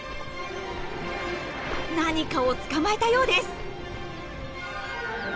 何かを捕まえたようです。